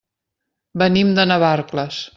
Venim de Navarcles.